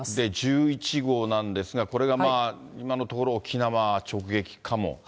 １１号なんですが、これが今のところ、沖縄直撃かもという。